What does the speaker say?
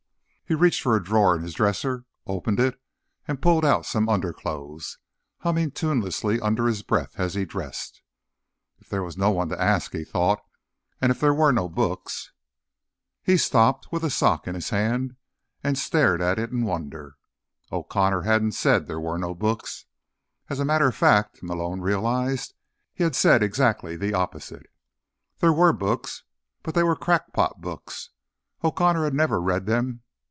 He reached for a drawer in his dresser, opened it and pulled out some underclothes, humming tunelessly under his breath as he dressed. If there was no one to ask, he thought, and if there were no books.... He stopped with a sock in his hand, and stared at it in wonder. O'Connor hadn't said there were no books. As a matter of fact, Malone realized, he'd said exactly the opposite. There were books. But they were "crackpot" books. O'Connor had never read them.